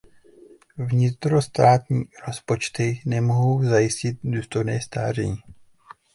Vnitrostátní rozpočty nemohou zajistit důstojné stáří.